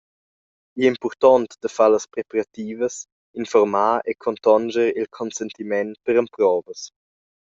Igl ei impurtont da far las preparativas, informar e contonscher il consentiment per emprovas.